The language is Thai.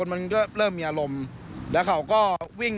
และเขาก็วิ่ง